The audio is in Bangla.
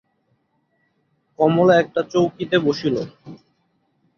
কমলা একটা চৌকিতে বসিল।